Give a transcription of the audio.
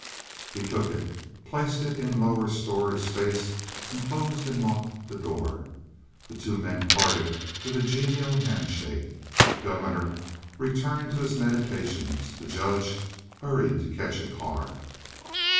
He took it, placed it in lower storage space, and closed and locked the door. The two men parted with a genial hand shake. The governor returned to his meditations, the judge hurried to catch a car.